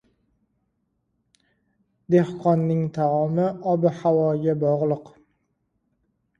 • Dehqonning taomi ob-havoga bog‘liq.